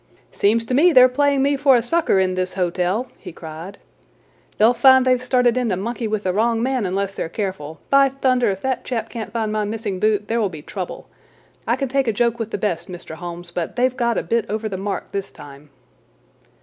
"Seems to me they are playing me for a sucker in this hotel," he cried. "They'll find they've started in to monkey with the wrong man unless they are careful. By thunder, if that chap can't find my missing boot there will be trouble. I can take a joke with the best, Mr. Holmes, but they've got a bit over the mark this time."